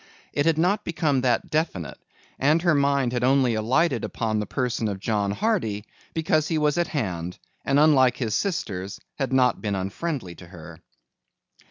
It had not become that definite, and her mind had only alighted upon the person of John Hardy because he was at hand and unlike his sisters had not been unfriendly to her.